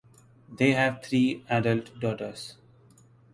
They have three adult daughters.